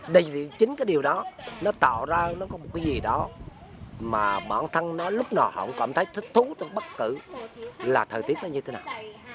đấy chính cái điều đó nó tạo ra nó có một cái gì đó mà bọn thân nó lúc nào họ cũng cảm thấy thích thú bất cứ là thời tiết nó như thế nào